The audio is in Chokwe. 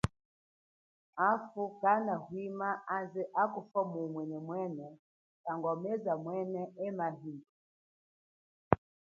Hafu kana hwima, tangwa meza yesu waze hakufa muhumwene mwena ma fufuka.